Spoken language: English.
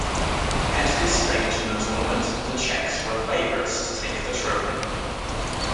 At this stage in the tournament, the Czechs were favourites to take the trophy.